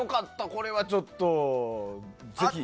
これはちょっと、ぜひ。